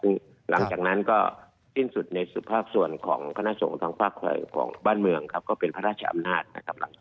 ซึ่งหลังจากนั้นก็สิ้นสุดในสุภาพส่วนของคณะสงฆ์ทางภาคของบ้านเมืองครับก็เป็นพระราชอำนาจนะครับ